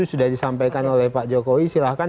dan sudah disampaikan oleh pak jokowi silahkan